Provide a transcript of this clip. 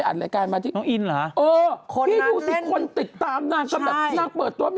อืมอืมอืมอืมอืม